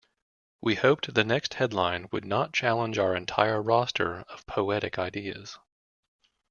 We hoped the next headline would not challenge our entire roster of poetic ideas.